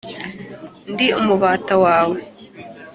ndi umubata wawe.